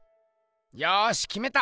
よしきめた！